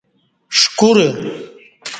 ݜکورہ